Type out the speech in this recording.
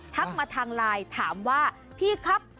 มาทางไลน์ถามว่าพี่ครับ